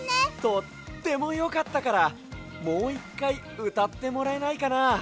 とってもよかったからもう１かいうたってもらえないかな？